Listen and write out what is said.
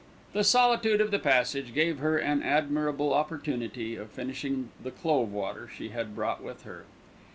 The solitude of the passage gave her an admirable opportunity of finishing the "clove water" she had brought with her.